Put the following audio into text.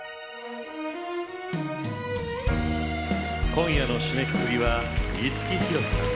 今夜の締めくくりは五木ひろしさん。